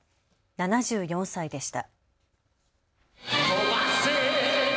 ７４歳でした。